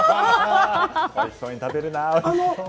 おいしそうに食べるな。